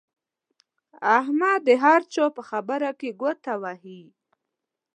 احمد د هر چا په خبره کې ګوته وهي.